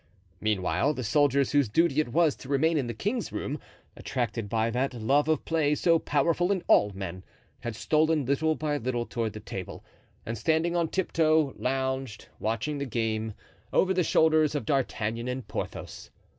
Meanwhile, the soldiers whose duty it was to remain in the king's room, attracted by that love of play so powerful in all men, had stolen little by little toward the table, and standing on tiptoe, lounged, watching the game, over the shoulders of D'Artagnan and Porthos.